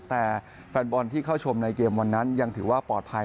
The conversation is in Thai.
แต่แฟนบอลที่เข้าชมในเกมวันนั้นยังถือว่าปลอดภัย